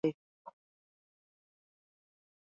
Liz later finds a new job in Boston and moves the family there.